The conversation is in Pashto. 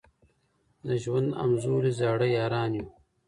د ژوند همزولي زاړه یاران یو